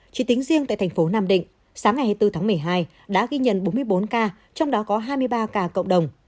chỉ tính riêng tại thành phố nam định sáng ngày hai mươi bốn tháng một mươi hai đã ghi nhận bốn mươi bốn ca trong đó có hai mươi ba ca cộng đồng